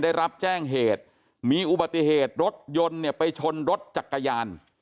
ได้รับแจ้งเหตุมีอุบัติเหตุรถยนต์เนี่ยไปชนรถจักรยาน